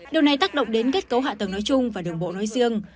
điều này tác động đến kết cấu hạ tầng nói chung và đường bộ nói riêng